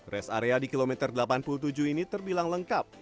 res area di kilometer delapan puluh tujuh ini terbilang lengkap